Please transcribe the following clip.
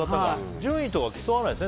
順位とか競わないんですね。